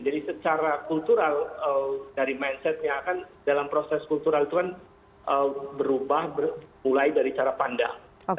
jadi secara kultural dari mindsetnya kan dalam proses kultural itu kan berubah mulai dari cara pandang